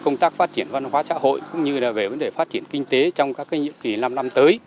công tác phát triển văn hóa xã hội cũng như là về vấn đề phát triển kinh tế trong các nhiệm kỳ năm năm tới